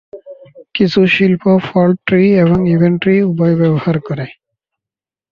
কিছু শিল্প fault tree এবং ইভেন্ট ট্রি উভয়ই ব্যবহার করে।